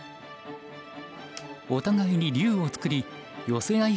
お互いに竜を作り寄せ合い